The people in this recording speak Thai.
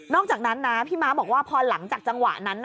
จากนั้นนะพี่ม้าบอกว่าพอหลังจากจังหวะนั้น